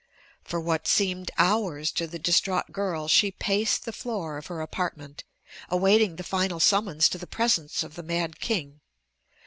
For what seemed hours to the distraught girl she paced the floor of her apartment, awaiting the final summons to the presence of the mad king.